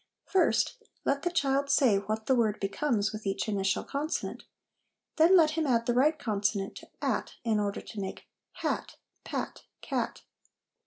First, let the child say what the word becomes with each initial consonant; then let him add the right consonant to ' at,' in order to make hat, pat, cat.